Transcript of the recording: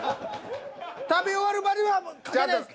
食べ終わるまでは書けないです。